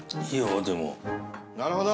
なるほど！